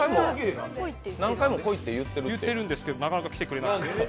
何回も来いっていってるんですけど、一回も来てくれてないです。